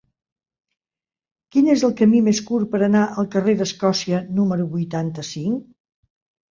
Quin és el camí més curt per anar al carrer d'Escòcia número vuitanta-cinc?